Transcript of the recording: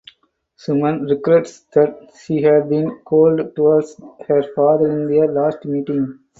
Suman regrets that she had been cold towards her father in their last meeting.